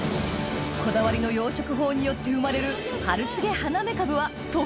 こだわりの養殖法によって生まれるうわ！